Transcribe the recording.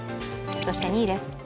そして２位です。